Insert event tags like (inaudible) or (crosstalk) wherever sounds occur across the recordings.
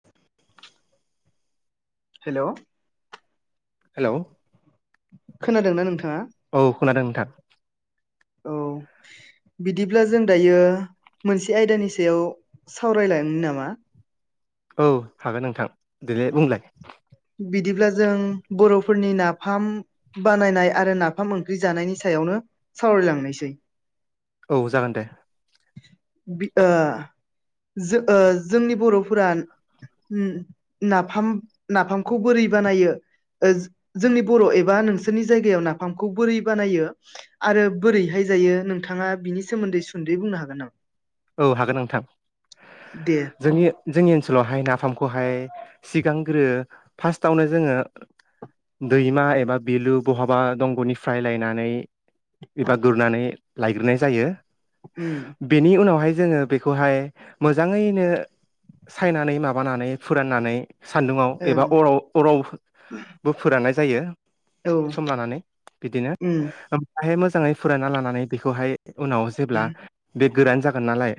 (unintelligible) Hello hello खोनादोंना नोंथाङा? औ खोनादों नोंथां। औ बिदिब्ला जों दायो मोनसे आयदानि सायाव सावरायलाङो नामा? औ हागोन नोंथां देलाय बुंलाय। बिदिब्ला जों बर'फोरनि नाफाम बानायनाय आरो नाफाम ओंख्रि जानायनि सायावनो सावरायलांनोसै। औ जागोन दे। जोंनि बर'फोरा नाफाम नाफामखौ बोरै बानायो जोंनि बर' एबा नोंसोरनि जायगायाव नाफामखौ बोरै बानायो आरो बोरैहाय जायो नोंथाङा बिनि सोमोन्दै सुदै बुंनो हागोन नामा? औ हागोन नोंथां दे जोंनि जोंनि ओनसोलावहाय नाफामखौहाय सिगांग्रो फार्स्टआवनो जोङो दैमा एबा बिलो भहाबा दंग'निफ्राय लायनानै एबा गुरनानै लायग्रोनाय जायो। उम बेनि उनाव ओमफ्राय जोङो बेखौहाय मोजाङैनो सायनानै माबानानै फुराननानै सान्दुङाव एबा ओं अराव अरावबो फोरनाय जायो। औ सम लानानै बिदिनो उम ओमफ्राय मोजां मोजांङै फुरायना लानानै बेखौहाय उनाव जेब्ला ओं बे गोरान जा हागोन नालाय।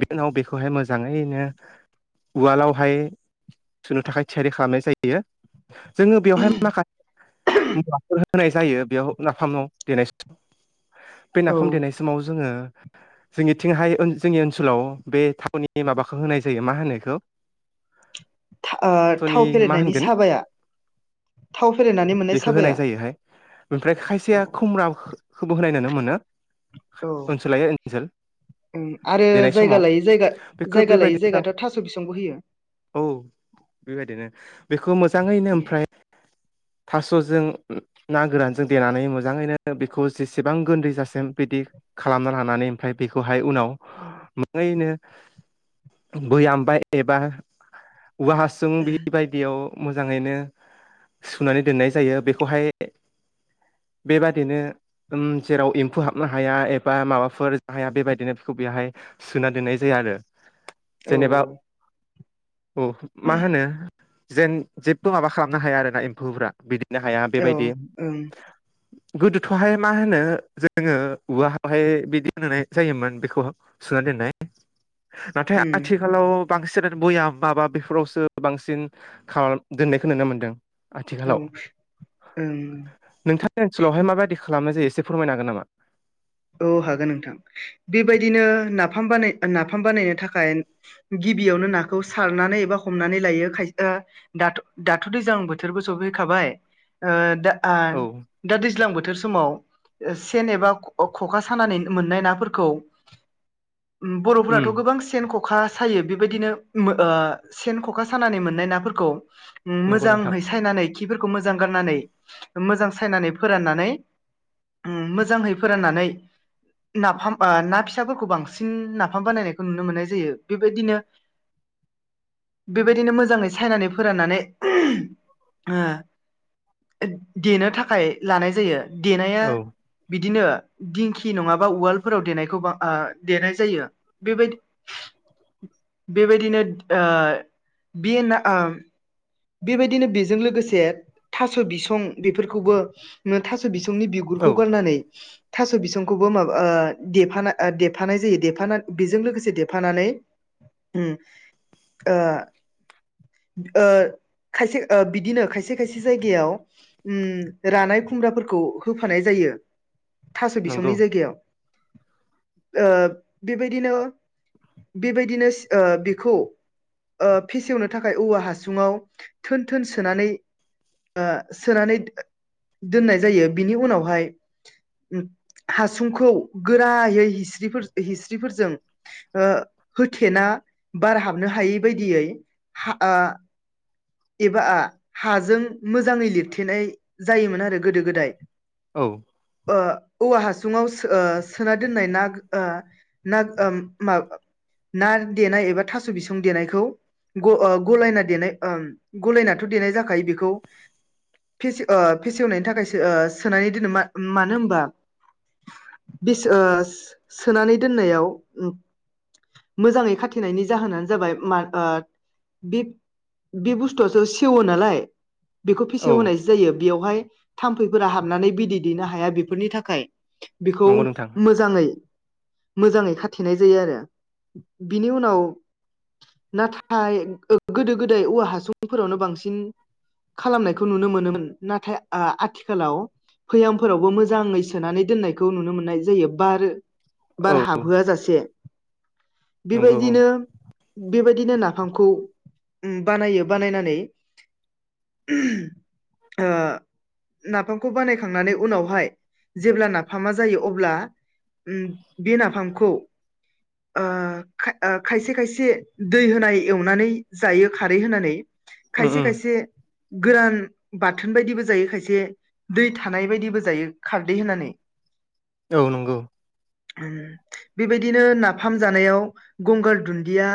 बे उनाव बेखौहाय मोजां मोजांङैनो उवालावहाय सुनो थाखाय थियारि खालामनाय जायो। जोङो बेवहाय माखासे मुवाफोर होनाय जायो। बेयाव थामनाव देनायसं बे औ नाफाम ओ देनाय समाव जोङो जोंनिथिंहाय जोंनि ओनसोलाव बे थावनि माबाखौ होनाय जायो मा होनोखौ ओ थाव फेरेनायनि साबाया थाव फेरेनानै मोननाय बेखौ होनाय साबाया जायोहाय ओमफ्राय औ खायसेया खुमब्रा खोबो होनाय नुनो मोनो। औ ओनसोलायो ओं आरो देनाय जायगा समाव लायै जायगा बेखौ जायगा लायै बेबायदिनो मोजां जायगाथ' थास' बिसंबो होयो औ बेबायदिनो बेखौ मोजांङैनो ओमफाय थास' थ'जों ना गोरानजों देनानै मोजांङैनो बेखौ जेसेबां गोन्दै जासिम बिदि खालामना लानानै। ओमफ्राय बेखौहाय उनाव मोङैनो बैहामबाय एबा औवा हासुं बि बायदियाव मोजांङैनो सुनानै दोननाय जायो बेखौहाय बेबादिनो उम जेराव एम्फौ हाबनो हाया एबा माबाफोर हाया बेबायदिनो बेखौ बेहाय सोना दोननाय जायो आरो। औ जेनेबा औ। औ मा होनो जेन जेबो माबा खालामनो हाया आरोना एम्फौफ्रा बिदि। नो हाया औ बेबायदि ओं गोदोथ'हाय मा होनो जोङो औवा खौहाय बिदि दोननाय जायोमोन बेखौ सोना दोननाय नाथाय उम आथिखालाव बांसिन बयाम माबा बेफोरावसो बांसिन खालाम दोननायखौ नुनो मोन्दों। आथिखालाव। औ ओं नोंथांनि ओनसोलावहाय माबायदि खालामनाय जायो एसे फोरमायनो हागोन नामा? औ हागोन नोंथां। बेबायदिनो नाफाम बानाय नाफाम बानायनो थाखाय गिबियावनो नाखौ सारनानै एबा हमनानै लायो खायसे ओ दाथ' दैज्लां बोथोरबो सफैखाबाय ओ दा आं औ दा दैज्लां बो बोथोर समाव सेन एबा ओ ख'खा सानानै मोननाय नाफोरखौ उम बर'फोराथ' उम गोबां सेन ख'खा सायो बेबायदिनो उम ओ सेन ख'खा सानानै मोननाय नाफोरखौ उम नंगौ नोंथां मोजांहै सायनानै खिफोरखौ मोजां गारनानै मोजां सायनानै फोराननानै उम मोजांहै फोराननानै नाफाम ओ ना फिसाफोरखौ बांसिन नाफाम बानायनायखौ नुनो मोननाय जायो। बेबायदिनो बेबायदिनो मोजाङै सायनानै फोराननानै देनो थाखाय लानाय जायो। देनाया औ बिदिनो दिंखि नङाबा उवालफोराव देनायखौ बां ओ देनाय जायो बेबाय बेबायदिनो बि ना ओ बेबायदिनो बेजों लोगोसे थास' बिसं बेफोरखौबो थास' बिसंनि बिगुरखौ औ गारनानै थास' बिसंखौबो माबा ओ देफा देफानाय जायो देफा बेजों लोगोसे देफानानै उम ओ ओ खायसे ओ बिदिनो खायसे खायसे जायगायाव उम रानाय खुमब्राफोरखौ होफानाय जायो थास' नंगौ बिसंनि जायगायाव। ओ बेबायदिनो बेबायदिनो बेखौ ओ फेसेवनो थाखाय औवा हासुङाव थोन थोन सोनानै ओ सोनानै दोननाय जायो। बिनि उनावहाय हासुंखौ गोरायै हिस्रिफोर हिस्रिफोरजों ओ होथेना बार हाबनो हायै बायदियै हा ओ एबा ओ हाजों मोजाङै लिरथेनाय जायोमोन आरो गोदो गोदाय। औ औवा हासुङाव सो ओ सोना दोननाय ना ओ ना ओ मा देनाय एबा थास' बिसं देनायखौ ग ओ गलायना देनाय ओम गलायनाथ' देनाय जाखायो बेखौ फेसेव ओ फेसेवनायनि थाखायो सोनानै दोनो मा मानो होनबा बे सो ओ सोनानै दोननायाव मोजाङै खाथेनायनि जाहोनानो जाबाय मा ओ बे बे बस्थुआसो सेवो नालाय बेखौ फेसेव औ होनायसो जायो बेयावहाय थाम्फैफोरा हाबनानै बिदै दैनो हाया बेफोरनि थाखाय बेखौ नंगौ नोंथां मोजाङै मोजाङै खाथेनाय जायो आरो बिनि उनाव नाथाय गोदो गो औवा हासुंफोरावनो बांसिन खालामनायखौ नुनो मोनोमोन नाथाय आ-आथिखालाव बयामफोरावबो मोजाङै सोनानै दोननायखौ नुनो मोननाय जायो बार बार औ हाबहोआ जासे नंगौ औ बेबायदिनो उम बेबा बिदिनो नाफामखौ बानायो बानायनानै ओ नाफामखौ बानायखांनानै उनावहाय जेब्ला नाफामा जायो अब्ला उम बे नाफामखौ ओ खायसे खायसे दै होनाय एवनानै जायो खारै होनानै। खायसे उम खायसे गोरान बाथोन बायदिबो जायो खायसे दै थानाय बायदिबो जायो खारदै होनानै। औ नंगौ। बेबायदिनो नाफाम जानायाव गंगार दुन्दिया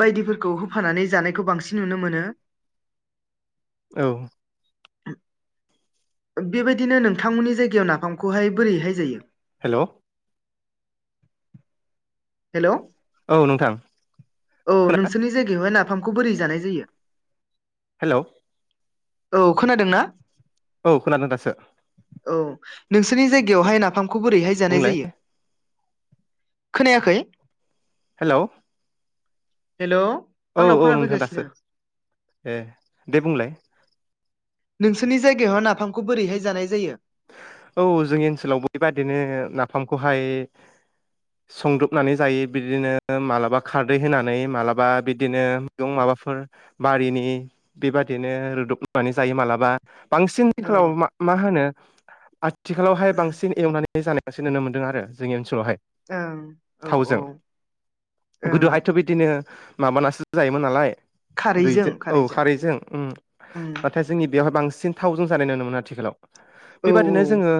बायदिफोरखौ होफानानै जानायखौ बांसिन नुनो मोनो। औ। बेबायदिनो नोंथांमोननि जायगायाव नाफामखौहाय बोरैहाय जायो। हेल'। हेल'। औ औ नोंथां खोना नोंसोरनि जायगायावहाय ना नाफामखौ बोरै जानाय जायो? हेल'। औ खोनादों ना? औ खोनादों दासो। औ नोंसोरनि जायगायावहाय नाफाम खौ बोरैहाय जानाय बुंलाय जायो? खोनाया खै हेलौ। हेल'। औ औ नोंथां दासो ए दे बुंलाय। नोंसोरनि जायगायाव नाफामखौ बोरैहाय जानाय जायो? औ जोंनि ओनसोलाव बेबादिनो नाफामखौहाय संदबनानै जायो बिदिनो मालाबा खारदै होनानै मालाबा बिदिनो मैगं माबाफोर बारिनि बेबादिनो रुदबनानै जायो मालाबा बांसिन औ आथिखालावा मा होनो आथिखालावहाय बांसिन एवनानै जानायावसो नुनो मोनदों आरो जोंनि ओनसोलावहाय ओं औ औ थावजों ओं गोदोहायथ' बिदिनो माबानासो जायोमोन नालाय। दैजों औ खारैजों उम नाथाय जोंनि बेवहाय बांसिन सिन थावजों जानाय नुनो मोनो आथिखालाव। औ बेबादिनो जोङो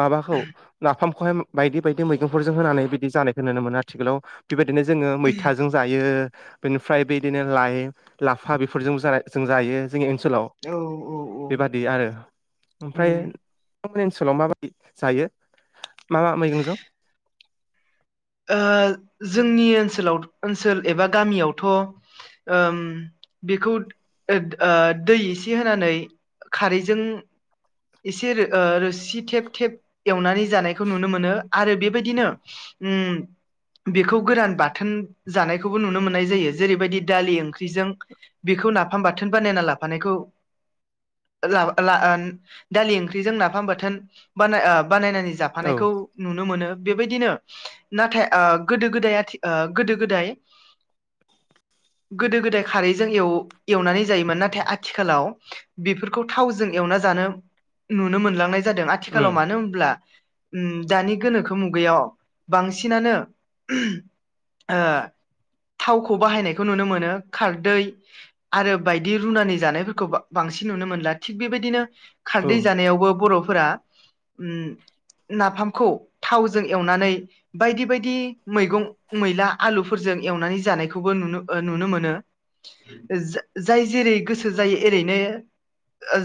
माबाखौ नाफाम खौहाय बायदि बायदि मै बि नुनो मोन आथिखालाव बे बाय दिनो जोङो मैथाजों जायो बेनिफ्राय बेदिनो लाइ लाफा बेफोरजों जों जायो। जोंनि ओनसोलाव औ औ औ बेबादि आरो ओमफ्राय उम बिथांमोननि ओनसोलाव माबायदि जायो मा मा मैगंजों? ओ जोंनि ओनसोलाव ओनसोल एबा गामियावथ ओम बेखौ दै एसे होनानै खारैजों एसे ओ रोसि थेब थेब एवनानै जानायखौ नुनो मोनो आरो बेबायदिनो उम बेखौ गोरान बाथोन जानायखौबो नुनो मोननाय जायो जेरैबायदि दालि ओंख्रिजों बेखौ नाफाम बाथोन बानायना लाफानायखौ दालि ओंख्रिजों नाफाम बाथोन बानाय बानायनानै औ जाफानायखौ नुनो मोनो। बेबायदिनो नाथाय ओ गोदो गोदाय ओ गोदो गोदाय गोदो गोदाय खारैजों एवनानै जायोमोन नाथाय आथिखालाव बेफोरखौ थावजों एवना जानो नुनो मोनलांनाय जादों उम आथिखालाव मानो होनोमब्ला उ दानि गोनोखो मुगैयाव बांसिनानो थावखौ बाहायनायखौ नुनो मोनो खारदै आरो बायदि रुनानि जानायफोरखौ बांसिन नुनो मोनला थिग बेबायदिनो औ खारदै जानायावबो बर फोरा ओम नाफामखौ थावजों एवनानै बायदि बायदि मैगं मैला आलुफोरजों एवनानै जानायखौबो नुनो मोनो जाय जेरै गोसो जायो एओरैनो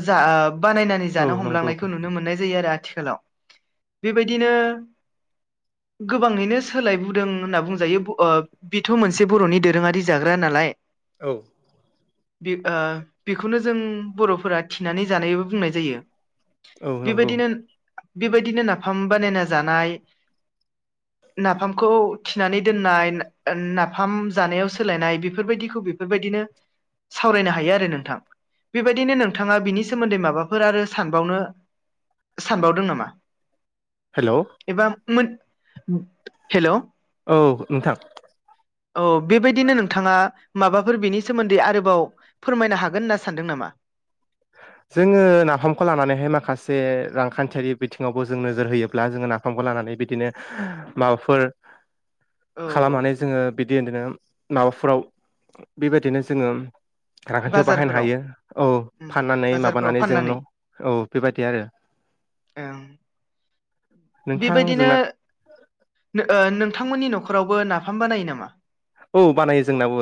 जा ओ बानायनानै औ जानो नंगौ हमलांनायखौ नुनो मोननाय जायो आरो आथि (unintelligible) बेबायदिनो गोबांङैनो सोलायबोदों होनना बुंजायो ओ बेथ मोनसे बरनि दोरोंङारि जाग्रा नालाय औ बे ओ बेखौनो जों बरफोरा थिनानै जानायबो बुंनाय जायो औ नंगौ बेबायदिनो बेबायदिनो नाफाम बानायना जानाय नाफामखौ थिनानै दोननाय नाफाम जानायाव सोलायनाय बेफोरबायदिखौ बेफोरबायदिनो सावरायनो हायो आरो नोंथां बेबायदिनो नोंथाङा बिनि सोमोन्दै माबाफोर आरो सानबावनो सानबावदों नामा हेलौ मो हेलौ औ नोंथां औ बेबायदिनो नोंथाङा माबाफोर बिनि सोमोन्दै आरोबाव फोरमायनो हागोन होनना सानदों नामा जोंङो नाफामखौ लानानैहाय माखासे रांखान्थियारि बिथिङावबो जों नोजोर होयोब्ला जोंङो नाफामखौ लानानै बिदिनो माबाफोर औ औ खालामनानै जोंङो बि बिदिनो माबाफोराव बेबायदिनो जोंङो रांखान्थियाव बाहायनो बाजारफोराव हायो औ फाननानै बाजारफोराव माबानानै जों फाननानै न' औ बेबायदि आरो (unintelligible) नोंथां बेबायदिनो जोंना नोंथांमोननि नखर फोरावबो नाफाम बानायो नामा औ बानायो जोंनावो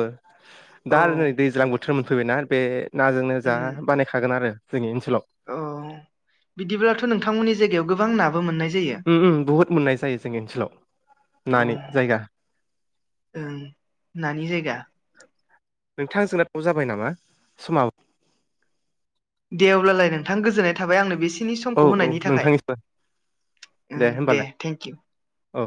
औ दा आरो नै दैज्लां बोथोरमोन फैबायना आरो बे नाजोंनो जा उम बानायखागोन आरो जोंनि ओनसोलाव औ बिदिब्लाथ' नोंथांमोननि जायगायाव गोबां ना बुहुत मोननाय जायो जोंनि ओनसोलाव औ नानि जायगा ओं नानि जायगा नोंथांजोंना समा जाबाय नामा समाव दे अब्लालाय नोंथां गोजोननाय थाबाय आंनो बेसे औ औ नोंथांनिबो ओं दे होनबालाय थेंकिउ। औ